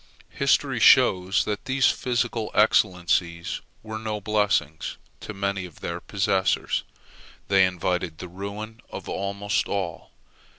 History shows that these physical excellencies were no blessings to many of their possessors; they invited the ruin of almost all.